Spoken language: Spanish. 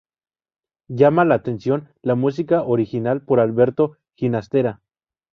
Llama la atención la música original por Alberto Ginastera.